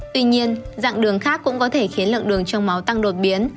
tuy nhiên dạng đường khác cũng có thể khiến lượng đường trong máu tăng đột biến